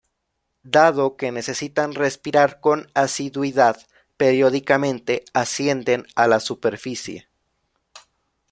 Dado que necesitan respirar con asiduidad, periódicamente ascienden a la superficie.